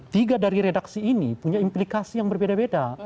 tiga dari redaksi ini punya implikasi yang berbeda beda